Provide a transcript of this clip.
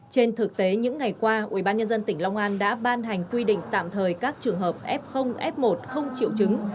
trên thực tế những ngày qua ubnd tỉnh long an đã ban hành quy định tạm thời các trường hợp f f một không triệu chứng